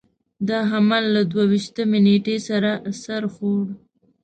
د حمل له دوه ویشتمې نېټې سره سر خوړ.